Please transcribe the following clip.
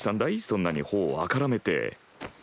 そんなに頬を赤らめて。